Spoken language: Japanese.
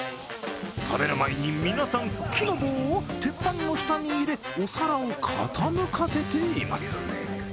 食べる前に皆さん、木の棒を鉄板の下に入れお皿を傾かせています。